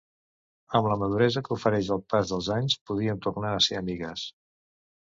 Amb la maduresa que ofereix el pas dels anys, podíem tornar a ser amigues!